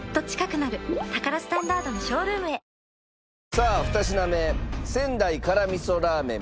さあ２品目仙台辛みそラーメン。